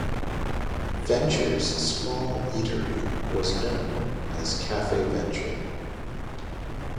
Venture's small eatery was known as Cafe Venture.